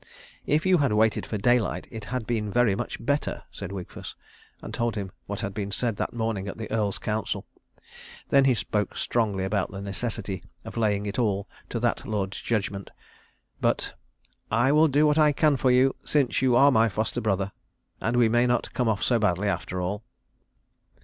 "If you had waited for daylight it had been very much better," said Wigfus, and told him what had been said that morning at the Earl's council. Then he spoke strongly about the necessity of laying it all to that lord's judgment; but, "I will do what I can for you, since you are my foster brother; and we may not come off so badly after all."